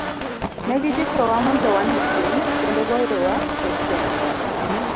Ne gichikowa mondo wanind piny, kendo goyowa peksen.